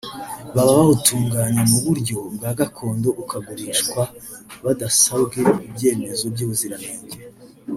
baba bawutunganya mu buryo bwa gakondo ukagurishwa badasabwe ibyemezo by’ubuziranenge